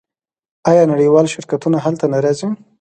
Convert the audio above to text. آیا نړیوال شرکتونه هلته نه راځي؟